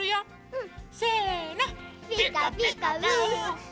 うん！